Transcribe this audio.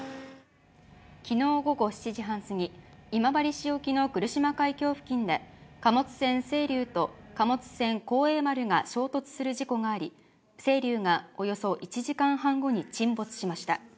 きのう午後７時半過ぎ、今治市沖の来島海峡付近で、貨物船せいりゅうと貨物船、幸栄丸が衝突する事故があり、せいりゅうがおよそ１時間半後に沈没しました。